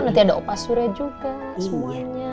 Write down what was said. nanti ada opa surya juga semuanya